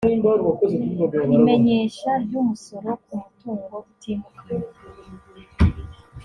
imenyesha ry umusoro ku mutungo utimukanwa